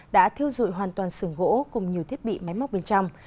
đã thiêu dụi hoàn toàn sưởng gỗ cùng nhiều thiết bị máy móc bên trong